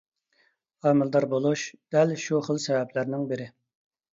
ھامىلىدار بولۇش دەل شۇ خىل سەۋەبلەرنىڭ بىرى.